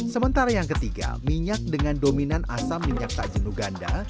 sementara yang ketiga minyak dengan dominan asam minyak tak jenuh ganda